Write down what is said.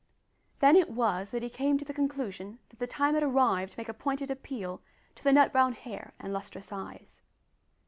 Then it was that he came to the conclusion that the time had arrived to make a pointed appeal to the nut brown hair and lustrous eyes.